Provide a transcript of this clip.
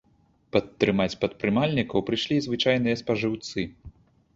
Падтрымаць прадпрымальнікаў прыйшлі і звычайныя спажыўцы.